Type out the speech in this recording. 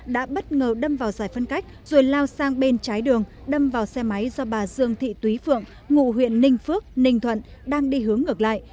đã bất ngờ đâm vào giải phân cách rồi lao sang bên trái đường đâm vào xe máy do bà dương thị túy phượng ngụ huyện ninh phước ninh thuận đang đi hướng ngược lại